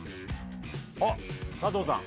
あっ佐藤さん。